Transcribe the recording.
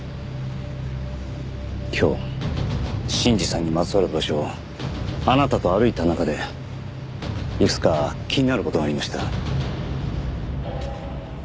今日信二さんにまつわる場所をあなたと歩いた中でいくつか気になる事がありました。